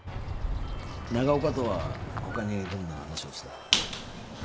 長岡とは他にどんな話をした？